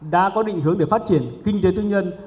đã có định hướng để phát triển kinh tế tư nhân